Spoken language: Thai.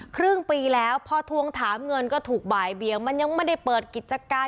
ครึ่งปีแล้วพอทวงถามเงินก็ถูกบ่ายเบียงมันยังไม่ได้เปิดกิจการ